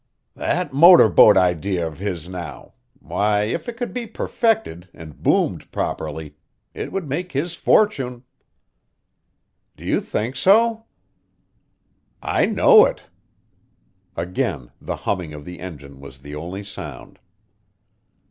"That motor boat idea of his now why, if it could be perfected and boomed properly, it would make his fortune." "Do you think so?" "I know it." Again the humming of the engine was the only sound.